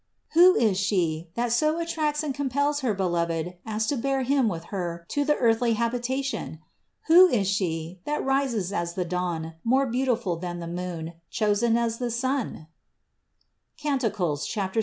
Who is She, that so attracts and compels her Beloved as to bear Him with Her to the earthly habitation? Who is She, that rises as the dawn, more beautiful than the moon, chosen as the sun? (Cant. 6, 9).